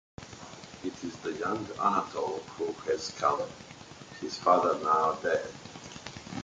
It is the young Anatol who has come, his father now dead.